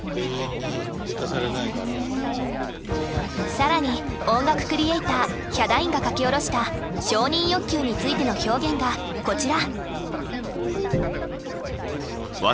更に音楽クリエイターヒャダインが書き下ろした承認欲求についての表現がこちら。